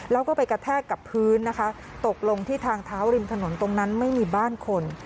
แล้วก็ไปกระแทกกับพื้นนะคะตกลงที่ทางเท้าริมถนนตรงนั้นไม่มีบ้านคน